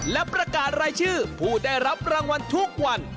และประกาศรายชื่อผู้ได้รับรางวัลทุกวัน